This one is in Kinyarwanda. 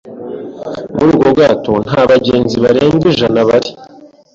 Muri ubwo bwato nta bagenzi barenga ijana bari.